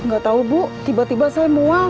gak tau bu tiba tiba saya muang